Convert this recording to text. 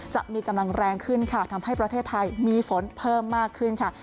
จะมีกำลังแรงขึ้นค่ะทำให้ประเทศไทยมีฝนเพิ่มมากขึ้นค่ะ